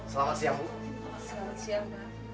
selamat siang pak